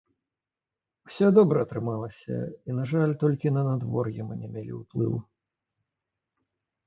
Усё добра атрымалася, і, на жаль, толькі на надвор'е мы не мелі ўплыву.